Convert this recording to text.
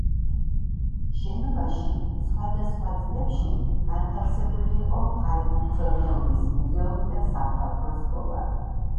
შენობაში სხვადასხვა წლებში განთავსებული იყო მხარეთმცოდნეობის მუზეუმი და სამხატვრო სკოლა.